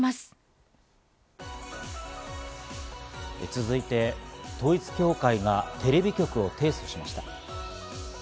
続いて、統一教会がテレビ局を提訴しました。